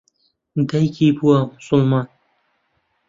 دایکی بووە موسڵمان.